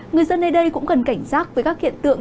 người dân nơi đây cũng cần cảnh giác với các hiện tượng